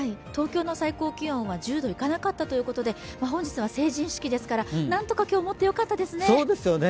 東京の最高気温は１０度行かなかったということで本日は成人式ですから、なんとか今日もってよかったですね。